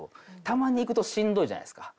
たまに行くとしんどいじゃないですか。